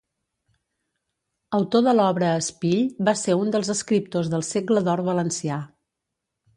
Autor de l'obra Espill va ser un dels escriptors del Segle d'or valencià.